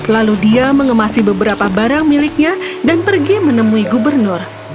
lalu dia mengemasi beberapa barang miliknya dan pergi menemui gubernur